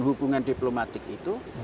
hubungan diplomatik itu